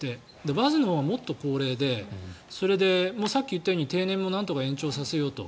バスのほうがもっと高齢でそれで、さっき言ったように定年もなんとか延長させようと。